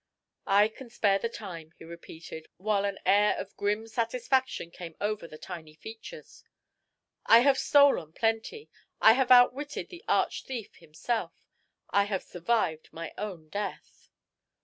"I can spare the time," he repeated, while an air of grim satisfaction came over the tiny features. "I have stolen plenty I have outwitted the arch thief himself. I have survived my own death."